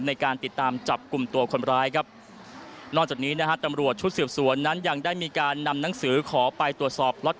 ในการติดตามจับกลุ่มตัวคนร้ายครับ